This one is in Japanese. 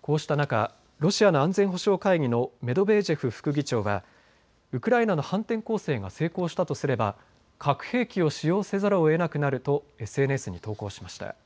こうした中、ロシアの安全保障会議のメドベージェフ副議長はウクライナの反転攻勢が成功したとすれば核兵器を使用せざるをえなくなるとＳＮＳに投稿しました。